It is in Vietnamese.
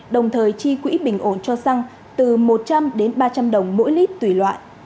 đồng thời chi quỹ bình ổn cho xăng từ một trăm linh đến ba trăm linh đồng mỗi lít tùy loại